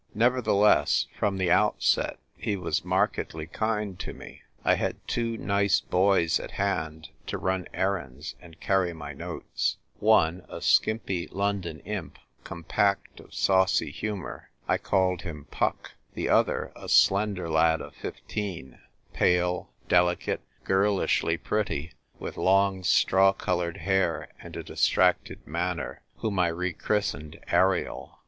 Nevertheless, from the outset, he was markedly kind to me. I had two nice boys at hand to run errands and carry my notes ; one, a skimpy London imp, compact of saucy humour ; I called him Puck : the other, a slender lad of fifteen, pale, delicate, girlishly pretty, with long straw coloured hair and a distracted manner, whom I rechristened Ariel.